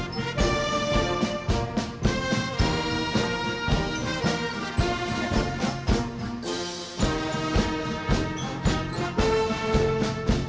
laporan komandan upacara dilanjutkan pemeriksaan pasukan